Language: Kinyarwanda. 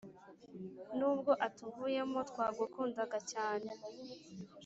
nubwo atuvuyemo twagukundaga cyane